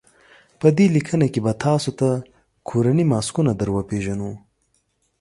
په دې لیکنه کې به تاسو ته کورني ماسکونه در وپېژنو.